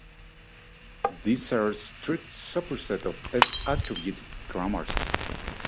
These are a strict superset of S-attributed grammars.